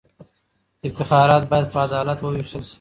افتخارات باید په عدالت ووېشل سي.